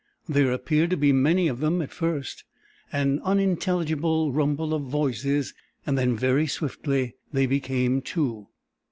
There appeared to be many of them at first, an unintelligible rumble of voices, and then very swiftly they became two.